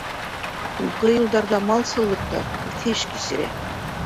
Һуңғы йылдарҙа малсылыҡ та үҫеш кисерә.